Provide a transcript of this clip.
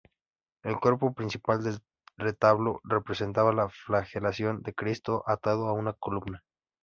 El cuerpo principal del retablo representa la flagelación de Cristo, atado a una columna.